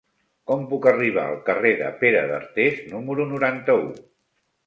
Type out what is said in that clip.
Com puc arribar al carrer de Pere d'Artés número noranta-u?